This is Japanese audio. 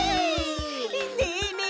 ねえねえ